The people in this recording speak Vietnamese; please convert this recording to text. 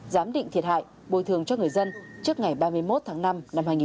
giám định thiệt hại bồi thường cho người dân trước ngày ba mươi một tháng năm năm hai nghìn hai mươi